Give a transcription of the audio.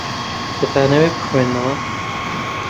دەتانەوێت بخوێننەوە؟